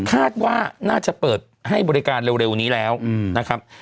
คาดว่าน่าจะเปิดให้บริการเร็วนี้แล้วนะครับ